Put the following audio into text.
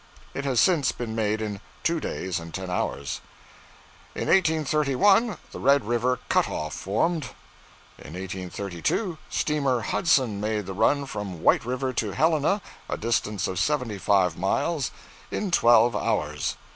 It has since been made in two days and ten hours. 'In 1831 the Red River cut off formed. 'In 1832 steamer "Hudson" made the run from White River to Helena, a distance of seventy five miles, in twelve hours.